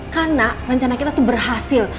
karena rencana kita tuh berhasil